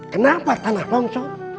kenapa tanah langsor